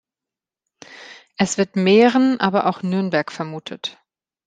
Es wird Mähren, aber auch Nürnberg vermutet.